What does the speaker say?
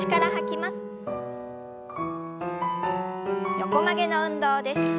横曲げの運動です。